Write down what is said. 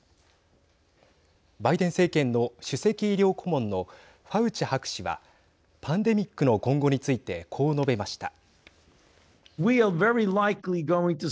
バイデン政権の首席医療顧問のファウチ博士はパンデミックの今後についてこう述べました。